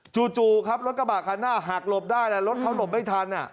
จู่ครับรถกระบะคันหน้าหักหลบได้รถเขาหลบไม่ทัน